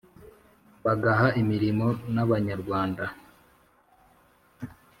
bagaha imirimo n’abanyarwanda